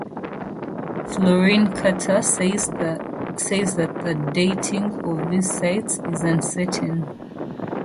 Florin Curta says that the dating of these sites is uncertain.